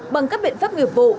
bằng các biện pháp nghiệp vụ